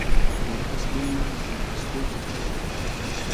بېکئس بومنۂ ازاریستۉ تئکݷ رۂ